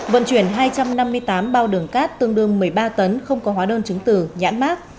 vận chuyển hai trăm năm mươi tám bao đường cát tương đương một mươi ba tấn không có hóa đơn chứng từ nhãn mát